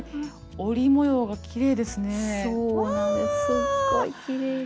すっごいきれいです。